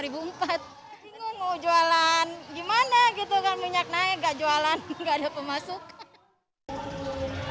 bingung mau jualan gimana gitu kan minyak naik gak jualan gak ada pemasukan